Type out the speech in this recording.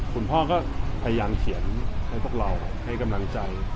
คุณพ่อก็พยายามเขียนให้พวกเราให้กำลังใจ